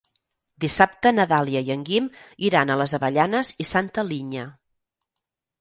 Dissabte na Dàlia i en Guim iran a les Avellanes i Santa Linya.